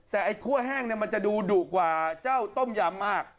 แต่ไอ้คั่วแห้งมันจะดูดุกว่าเจ้าต้มยำมาก